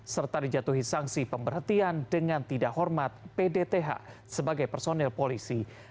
serta dijatuhi sanksi pemberhentian dengan tidak hormat pdth sebagai personil polisi